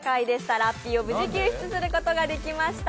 ラッピーを無事救出することができました。